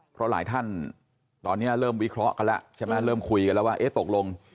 เพราะหลายท่านตอนนี้เริ่มวิเคราะห์กันแล้วใช่ไหมเริ่มคุยกันแล้วว่าเอ๊ะตกลง